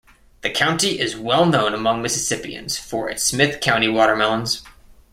The county is well known among Mississippians for its Smith County Watermelons.